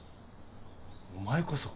お前こそ。